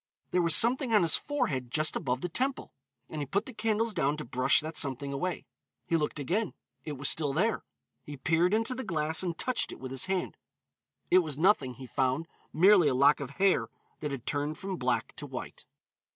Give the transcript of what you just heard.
There was something on his forehead just above the temple, and he put the candles down to brush that something away. He looked again, it was still there. He peered into the glass and touched it with his hand. It was nothing, he found, merely a lock of hair that had turned from black to white.